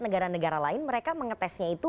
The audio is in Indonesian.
negara negara lain mereka mengetesnya itu